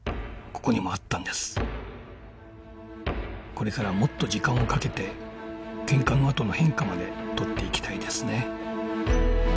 これからもっと時間をかけてけんかのあとの変化まで撮っていきたいですね。